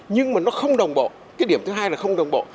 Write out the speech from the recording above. nhưng mà nó không đồng bộ cái điểm thứ hai là không đồng bộ